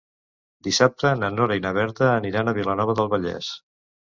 Dissabte na Nora i na Berta aniran a Vilanova del Vallès.